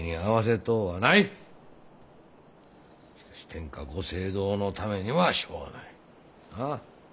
しかし天下御政道のためにはしょうがない。なあ？